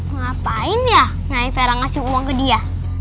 ngapain ya ngalir fera ngasih uang ke dia